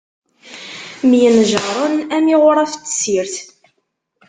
Myenjaṛen, am iɣuṛaf n tessirt.